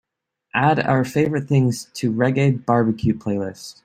add Our Favorite Things to Reggae BBQ playlist